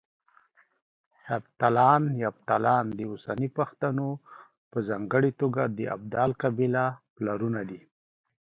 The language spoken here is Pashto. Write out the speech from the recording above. هفتلان، يفتالان د اوسني پښتنو په ځانګړه توګه د ابدال قبيله پلرونه دي